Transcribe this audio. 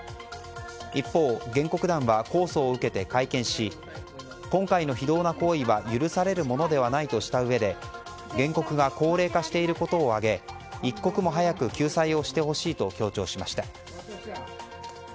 一方、原告団は控訴を受けて会見し今回の非道な行為は許されるものではないとしたうえで原告が高齢化していることを挙げ一刻も早く救済をしてほしいと強調しました。